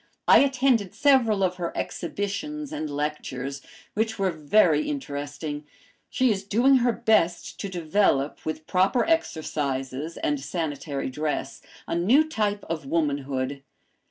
I attended several of her exhibitions and lectures, which were very interesting. She is doing her best to develop, with proper exercises and sanitary dress, a new type of womanhood.